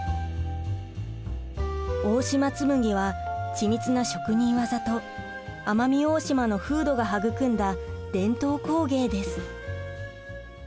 大島紬は緻密な職人技と奄美大島の風土が育んだ伝統工芸です。